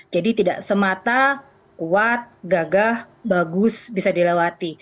tidak semata kuat gagah bagus bisa dilewati